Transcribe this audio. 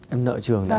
em nợ trường đấy